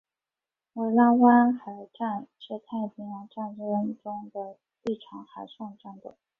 维拉湾海战是太平洋战争中的一场海上战斗。